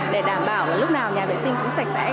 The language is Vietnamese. để đảm bảo lúc nào nhà vệ sinh cũng sạch sẽ